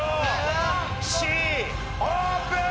Ｃオープン！